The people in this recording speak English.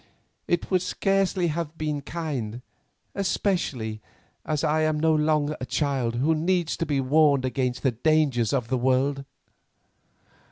"It would scarcely have been kind, especially as I am no longer a child who needs to be warned against the dangers of the world."